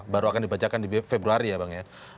baru akan dibacakan di februari ya bang ya